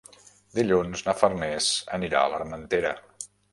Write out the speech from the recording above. Dilluns na Farners anirà a l'Armentera.